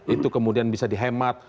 itu kemudian bisa dihemat